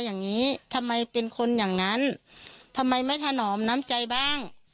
อย่างนี้ทำไมเป็นคนอย่างนั้นทำไมไม่ถนอมน้ำใจบ้าง